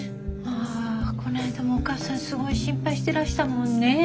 あぁこないだもお母さんすごい心配してらしたもんねぇ。